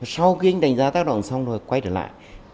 sau khi anh đánh giá tác động xong rồi quay trở lại